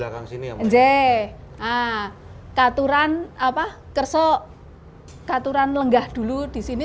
katuran kersok katuran lenggah dulu di sini